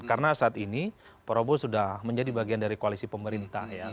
karena saat ini prabowo sudah menjadi bagian dari koalisi pemerintah ya